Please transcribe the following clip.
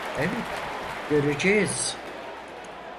Evet, göreceğiz.